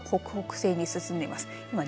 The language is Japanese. そして、北北西に進んでいます。